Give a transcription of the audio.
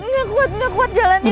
gak kuat gak kuat jalani